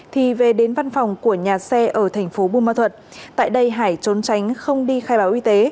thì về đến văn phòng của nhà xe ở tp bumal thuật tại đây hải trốn tránh không đi khai báo y tế